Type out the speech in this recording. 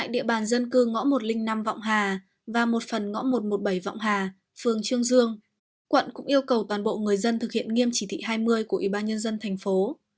địa bàn dân cư ngõ một trăm linh năm vọng hà và một phần ngõ một trăm một mươi bảy vọng hà phường trương dương quận cũng yêu cầu toàn bộ người dân thực hiện nghiêm chỉ thị hai mươi của ủy ban nhân dân thành phố